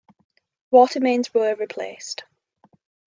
Water mains were replaced.